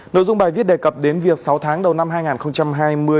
nội dung bài viết đề cập đến việc sáu tháng đầu năm hai nghìn hai mươi